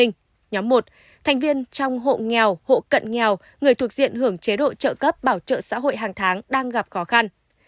nhóm một thành viên trong hộ nghèo hộ cận nghèo người thuộc diện hưởng chế độ trợ cấp bảo trợ xã hội hàng tháng đang gặp khó khăn